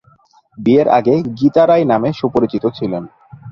বিয়ের আগে গীতা রায় নামে সুপরিচিত ছিলেন।